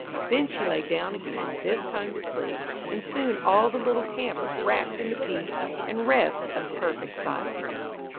Then she lay down again, this time to sleep, and soon all the little camp was wrapped in the peace and rest of perfect silence.